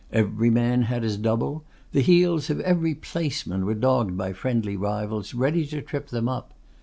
Every man had his double; the heels of every placeman were dogged by friendly rivals ready to trip them up.